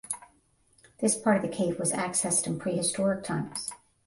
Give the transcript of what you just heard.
This part of the cave was accessed in prehistoric times.